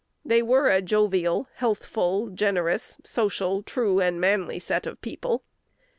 They were a jovial, healthful, generous, social, true, and manly set of people.